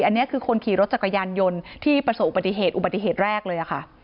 อันนี้คือคนขี่รถจักรยานยนต์ที่ประสบอุบัติเหตุอุบัติเหตุแรกเลยค่ะ